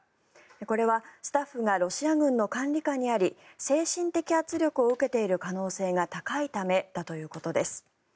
これは、スタッフがロシア軍の管理下にあり精神的圧力を受けている可能性が高いためだということです。